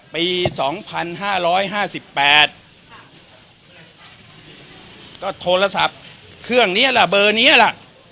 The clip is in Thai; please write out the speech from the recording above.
ปี๒๕๕๘ก็โทรศัพท์เครื่องนี้ล่ะเบอร์นี้ล่ะ